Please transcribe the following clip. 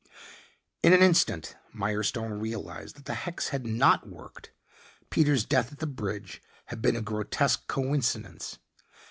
In an instant Mirestone realized that the hex had not worked. Peter's death at the bridge had been a grotesque coincidence.